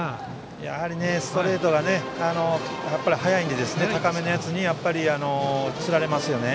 やはりストレートが速いので高めのやつにつられますよね。